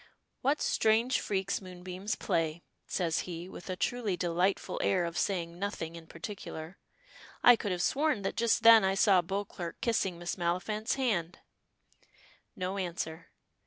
"What strange freaks moonbeams play," says he, with a truly delightful air of saying nothing in particular. "I could have sworn that just then I saw Beauclerk kissing Miss Maliphant's hand." No answer.